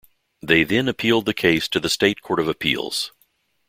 They then appealed the case to the state Court of Appeals.